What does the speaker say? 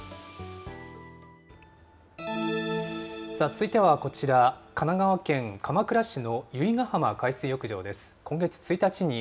続いてはこちら、神奈川県鎌倉市の由比ガ浜海水浴場です。